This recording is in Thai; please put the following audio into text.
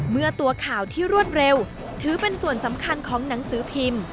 เมื่อตัวข่าวที่รวดเร็วถือเป็นส่วนสำคัญของหนังสือพิมพ์